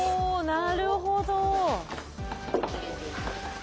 なるほど。